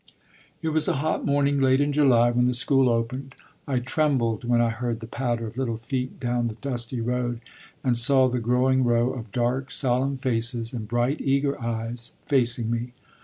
It was a hot morning late in July when the school opened. I trembled when I heard the patter of little feet down the dusty road, and saw the growing row of dark solemn faces and bright eager eyes facing me.